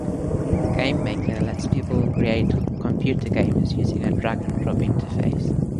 Game Maker lets people create computer games using a drag-and-drop interface.